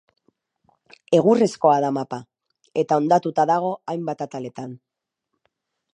Egurrezkoa da mapa eta hondatuta dago hainbat ataletan.